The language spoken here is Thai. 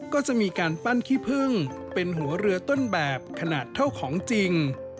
ก็จะมีการปั้นขี้พึ่งเป็นหัวเรือต้นแบบขนาดเท่าของจริง